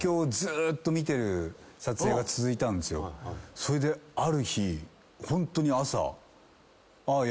それである日ホントに朝。